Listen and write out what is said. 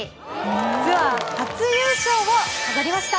ツアー初優勝を飾りました。